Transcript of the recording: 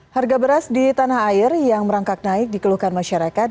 harga beras di tanah air yang merangkak naik dikeluhkan masyarakat